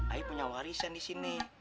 ai punya warisan di sini